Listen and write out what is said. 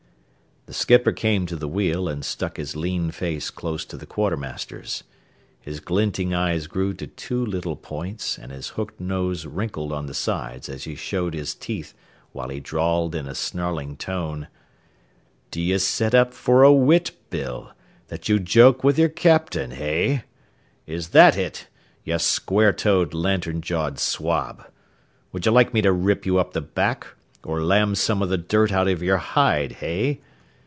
The skipper came to the wheel and stuck his lean face close to the quartermaster's. His glinting eyes grew to two little points and his hooked nose wrinkled on the sides as he showed his teeth while he drawled in a snarling tone: "D'you set up for a wit, Bill, that you joke with your captain, hey? Is that it, you square toed, lantern jawed swab? Would you like me to rip you up the back, or lam some of the dirt out of your hide, hey?